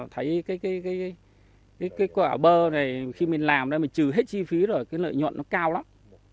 thấy cái quả bơ này khi mình làm nên mình trừ hết chi phí rồi cái lợi nhuận nó cao lắm